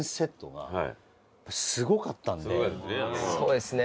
そうですね。